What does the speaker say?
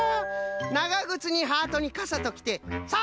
ながぐつにハートにかさときてさあ